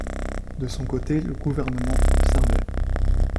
De son côté le gouvernement observait.